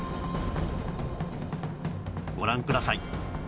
ご覧ください